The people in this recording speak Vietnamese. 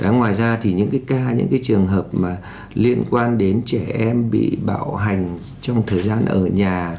ngoài ra những trường hợp liên quan đến trẻ em bị bạo hành trong thời gian ở nhà